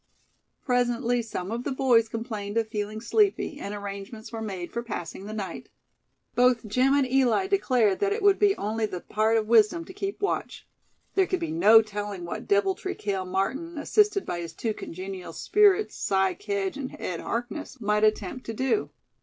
Presently some of the boys complained of feeling sleepy, and arrangements were made for passing the night. Both Jim and Eli declared that it would be only the part of wisdom to keep watch. There could be no telling what deviltry Cale Martin, assisted by his two congenial spirits, Si Kedge and Ed Harkness, might attempt to do.